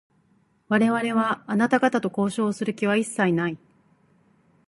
我々は、あなた方と交渉をする気は一切ない。